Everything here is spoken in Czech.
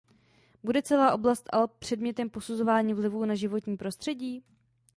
Bude celá oblast Alp předmětem posuzování vlivů na životní prostředí?